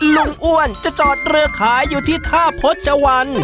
อ้วนจะจอดเรือขายอยู่ที่ท่าพจวัน